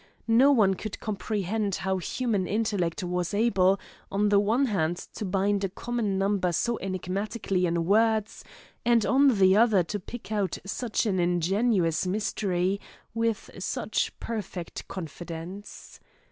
No one could comprehend how human intellect was able on the one hand to bind a common number so enigmatically in words, and on the other to pick out such an ingenious mystery with such perfect confidence.